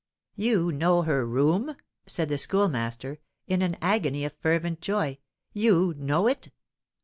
"You know her room?" said the Schoolmaster, in an agony of fervent joy; "you know it?"